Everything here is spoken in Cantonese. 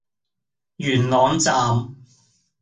元朗站